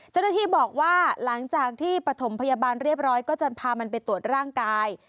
เจ้าหน้าที่บอกว่าหลังจากที่ปฐมพยาบาลเรียบร้อยก็จะพามันไปตรวจร่างกาย